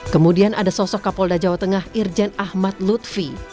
kemudian ada sosok kapolda jawa tengah irjen ahmad lutfi